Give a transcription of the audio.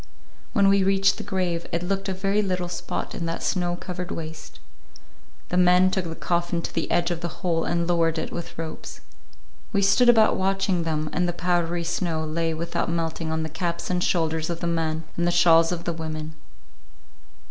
When we reached the grave, it looked a very little spot in that snow covered waste. The men took the coffin to the edge of the hole and lowered it with ropes. We stood about watching them, and the powdery snow lay without melting on the caps and shoulders of the men and the shawls of the women.